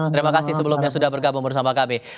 terima kasih sebelumnya sudah bergabung bersama kami